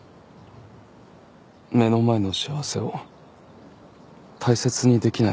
目の前の幸せを大切にできないなんて。